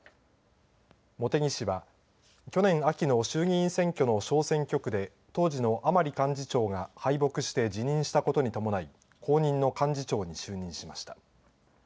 茂木氏は去年秋の衆議院選挙の小選挙区で当時の甘利幹事長が敗北して、辞任したことに伴い後任の幹事長に就任しました。